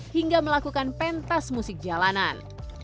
hingga melakukan pentas musik jalanan